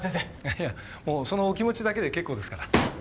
いやもうそのお気持ちだけで結構ですから。